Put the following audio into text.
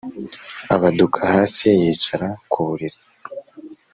abaduka hasi yicara ku buriri